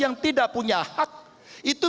karena saya berpengalaman bu